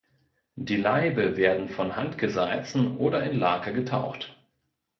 Die Laibe werden von Hand gesalzen oder in Lake getaucht.